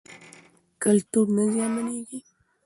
کلتور نه زیانمنېږي.